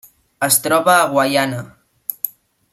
Es troba a Guaiana.